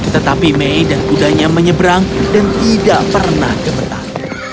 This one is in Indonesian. tetapi may dan kudanya menyeberang dan tidak pernah kebetulan